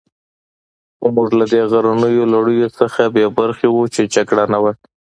خو موږ له دې غرنیو لړیو نه بې برخې وو، چې جګړه نه وه.